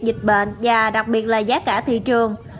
dịch bệnh và đặc biệt là giá cả thị trường